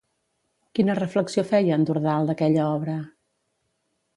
Quina reflexió feia en Dordal d'aquella obra?